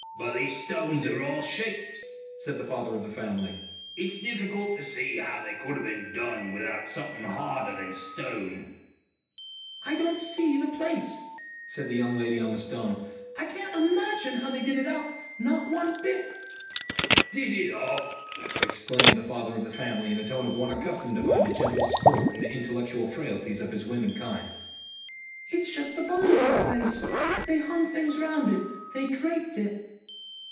"But these stones are all shaped," said the father of the family. "It is difficult to see how that could have been done without something harder than stone." "I don't SEE the place," said the young lady on the stone. "I can't imagine how they did it up not one bit." "Did it up!" exclaimed the father of the family in the tone of one accustomed to find a gentle sport in the intellectual frailties of his womenkind. "It's just the bones of a place. They hung things round it. They draped it."